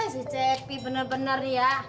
si cepi bener bener ya